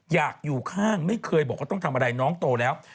อยากอยู่ข้างไม่เคยบอกว่าต้องทำอะไรน้องโตแล้ว